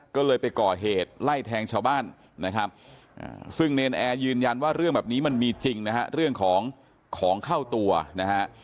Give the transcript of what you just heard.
ก็เลยไปก่อเหตุไล่แทงชาวบ้านนะครับซึ่งในนแอร์ยืนยันว่าเรื่องแบบนี้มันมีจริงนะฮะ